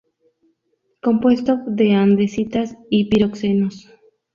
Compuesto de andesitas y piroxenos.